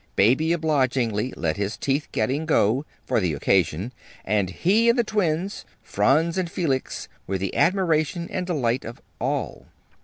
Baby obligingly let his teeth getting go, for the occasion, and he and the twins, Franz and Felix, were the admiration and delight of all.